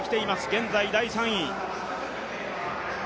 現在第３位。